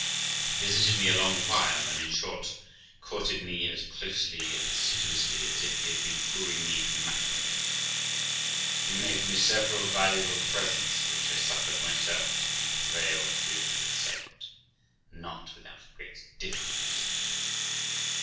He visited me a long while, and, in short, courted me as closely and assiduously as if he had been wooing me to matrimony. He made me several valuable presents, which I suffered myself to be prevailed with to accept, but not without great difficulty.